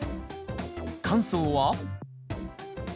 感想は？